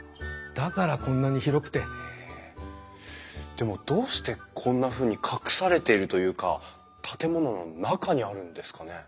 でもどうしてこんなふうに隠されているというか建物の中にあるんですかね？